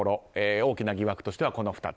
大きな疑惑としてはこの２つ。